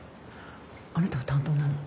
あなたが担当なの？